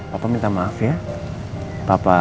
harta sieminu sampai sampai